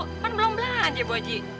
kan belum belanja bu haji